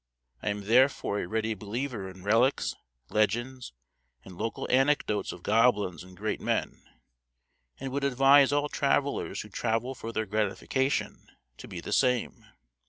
I am therefore a ready believer in relics, legends, and local anecdotes of goblins and great men, and would advise all travellers who travel for their gratification to be the same.